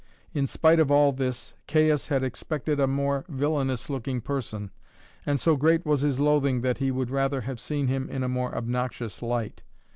In spite of all this, Caius had expected a more villainous looking person, and so great was his loathing that he would rather have seen him in a more obnoxious light.